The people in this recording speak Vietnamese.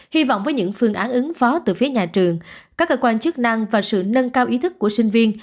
hy vọng với những phương án ứng phó từ phía nhà trường các cơ quan chức năng và sự nâng cao ý thức của sinh viên